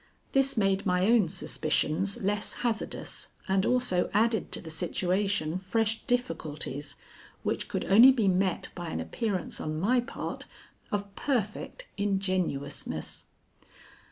This made my own suspicions less hazardous, and also added to the situation fresh difficulties which could only be met by an appearance on my part of perfect ingenuousness.